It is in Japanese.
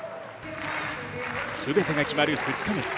全てが決まる２日目。